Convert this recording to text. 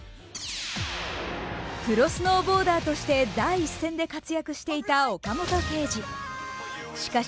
プロスノーボーダーとして第一線で活躍していた岡本圭司。